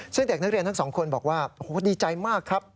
ซึ่งเด็กนักเรียนทั้งสองคนบอกว่าโอ้โหดีใจมากครับ